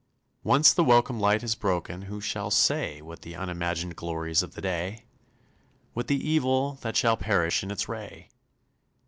Once the welcome light has broken, Who shall say What the unimagined glories Of the day? What the evil that shall perish In its ray?